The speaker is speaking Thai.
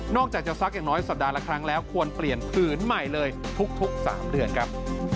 จากจะซักอย่างน้อยสัปดาห์ละครั้งแล้วควรเปลี่ยนผืนใหม่เลยทุก๓เดือนครับ